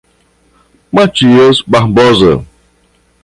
Matias Barbosa